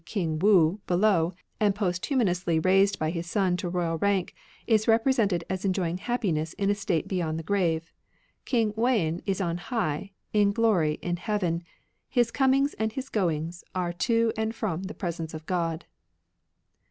King Wu below, and posthumously raised by his son to royal rank, is represented as enjoying happiness in a state beyond the grave :— King Wen is on high, In glory in heaven. His comings and his goings Are to and from the presence of God.